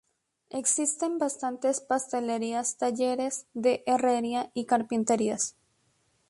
Existen bastantes pastelerías, talleres de herrería y carpinterías.